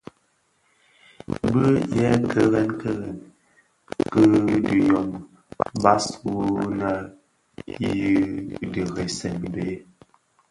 Bi byèè kèrèn kèrèn kè dhiyômi bas wua nneèn nyi dheresèn bhèd.